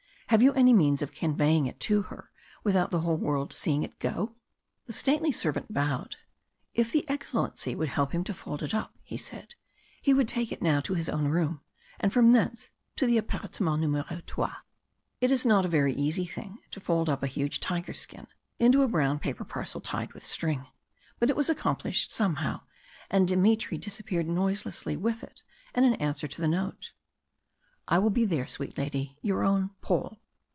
"Have you any means of conveying it to her without the whole world seeing it go?" The stately servant bowed. "If the Excellency would help him to fold it up," he said, "he would take it now to his own room, and from thence to the appartement numero 3." It is not a very easy thing to fold up a huge tiger skin into a brown paper parcel tied with string. But it was accomplished somehow and Dmitry disappeared noiselessly with it and an answer to the note: "I will be there, sweet lady. "Your own PAUL."